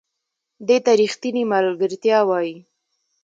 دې ته ریښتینې ملګرتیا وایي .